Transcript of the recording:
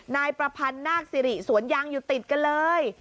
นายประพันธ์นาคสิริสวนยางอยู่ติดกันเลย